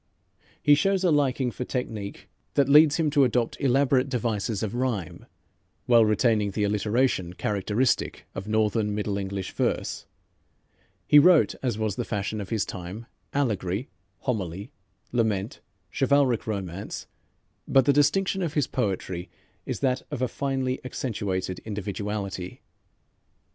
He shows a liking for technique that leads him to adopt elaborate devices of rhyme, while retaining the alliteration characteristic of Northern Middle English verse. He wrote as was the fashion of his time, allegory, homily, lament, chivalric romance, but the distinction of his poetry is that of a finely accentuated individuality.